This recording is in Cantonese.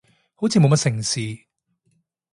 好似冇乜聖詩